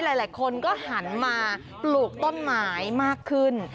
หลายคนก็หันมาปลูกต้นไม้มากขึ้น